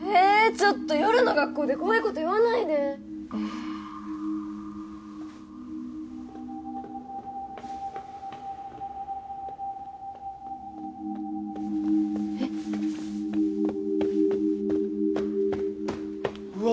ちょっと夜の学校で怖いこと言わないでえっえっうわ